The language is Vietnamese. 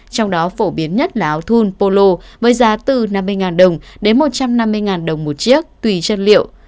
trong đó phổ biến nhất là áo thun pô lô với giá từ năm mươi đồng đến một trăm năm mươi đồng một chiếc tùy chất liệu